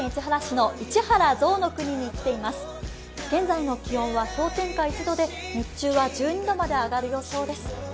現在の気温は氷点下１度、日中は１２度まで上がる予想です。